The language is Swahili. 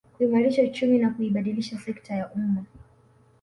Kuimarisha uchumi na kuibadilisha sekta ya umma